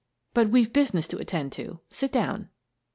" But we've business to attend to. Sit down."